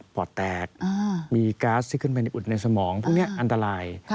ปอดแตกมีก๊าซที่ขึ้นไปอุดในสมองพวกนี้อันตราย